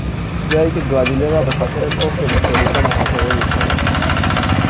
جایی که گالیله را به خاطر کفر به کلیسا، محاکمه می کنند.